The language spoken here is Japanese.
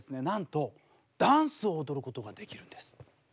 なんとダンスを踊ることができるんです。